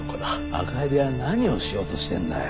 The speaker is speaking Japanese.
赤蛇は何をしようとしてんだよ？